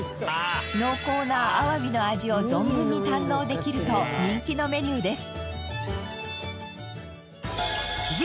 濃厚な鮑の味を存分に堪能できると人気のメニューです。